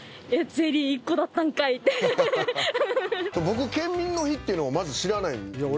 僕県民の日っていうのをまず知らないんですよ。